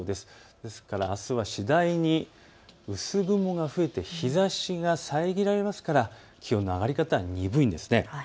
ですからあすは次第に薄雲が増えて日ざしが遮られますから気温の上がり方は鈍いんです。